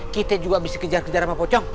kita juga bisa kejar kejar sama pocong